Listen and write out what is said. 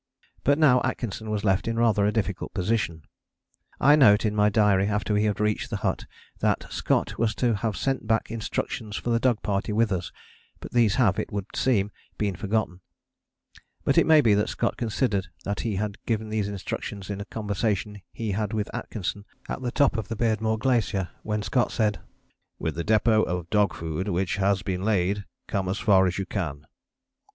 But now Atkinson was left in a rather difficult position. I note in my diary, after we had reached the hut, that "Scott was to have sent back instructions for the dog party with us, but these have, it would seem, been forgotten"; but it may be that Scott considered that he had given these instructions in a conversation he had with Atkinson at the top of the Beardmore Glacier, when Scott said, "with the depôt [of dog food] which has been laid come as far as you can."